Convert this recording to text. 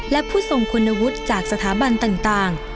และผู้ทรงคุณวุฒิจากสถาบันต่าง